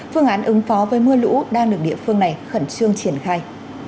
phương án ứng phó với mưa lũ đang được địa phương này khẩn trương triển khai